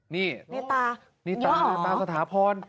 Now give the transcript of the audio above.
นี่ตาสถาพร